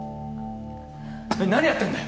えっ何やってんだよ！？